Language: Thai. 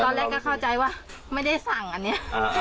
ตอนแรกก็เข้าใจว่าไม่ได้สั่งอันนี้